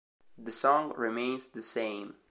The Song Remains the Same